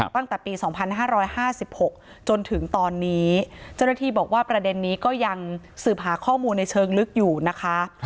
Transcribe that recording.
ตั้งแต่ปี๒๕๕๖จนถึงตอนนี้เจ้าหน้าที่บอกว่าประเด็นนี้ก็ยังสืบหาข้อมูลในเชิงลึกอยู่นะคะ